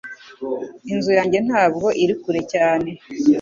Inzu yanjye ntabwo iri kure cyane